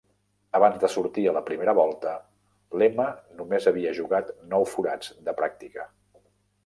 Abans de sortir a la primera volta, Lema només havia jugat nou forats de pràctica.